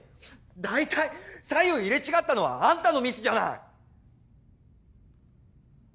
大体左右入れ違ったのはあんたのミスじゃない！